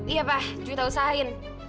iya pak cuy tau usahain